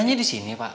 nyanyi disini pak